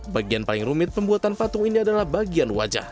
bagian paling rumit pembuatan patung ini adalah bagian wajah